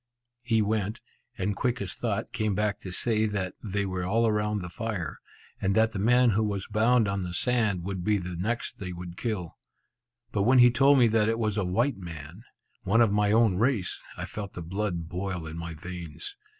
He went, and quick as thought, came back to say that they were all round the fire, and that the man who was bound on the sand would be the next they would kill. But when he told me that it was a white man, one of my own race, I felt the blood boil in my veins.